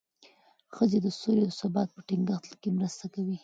ښځې د سولې او ثبات په ټینګښت کې مرسته کوي.